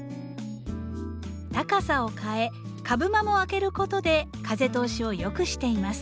高さを変え株間も空けることで風通しを良くしています。